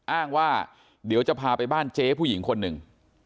อ้างว่าเดี๋ยวจะพาไปบ้านเจ๊ผู้หญิงคนหนึ่ง